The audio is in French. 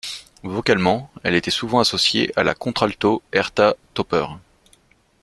Vocalement, elle était souvent associée à la contralto Hertha Töpper.